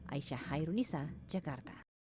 aisyah hairunisa jakarta